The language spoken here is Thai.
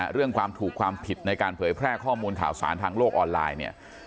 เรื่องความถูกความผิดในการเผยแพร่ข้อมูลข่าวสารทางโลกออนไลน์เนี่ย